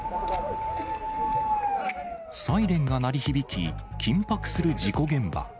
サイレンが鳴り響き、緊迫する事故現場。